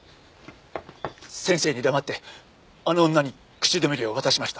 先生に黙ってあの女に口止め料を渡しました。